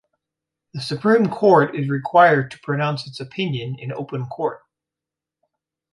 The Supreme Court is required to pronounce its opinion in open court.